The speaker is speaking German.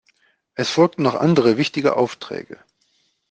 Es folgten noch andere wichtige Aufträge.